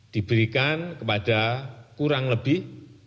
diberikan kepada kurang lebih